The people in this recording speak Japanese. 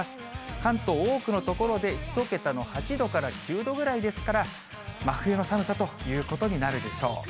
関東、多くの所で１桁の８度から９度ぐらいですから、真冬の寒さということになるでしょう。